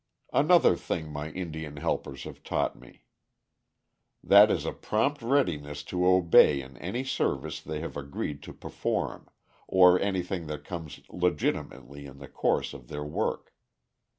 Another thing my Indian helpers have taught me. That is a prompt readiness to obey in any service they have agreed to perform, or anything that comes legitimately in the course of their work.